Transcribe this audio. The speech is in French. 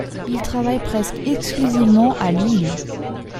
Il travaille presque exclusivement à l'huile.